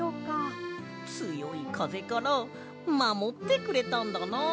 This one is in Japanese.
つよいかぜからまもってくれたんだな。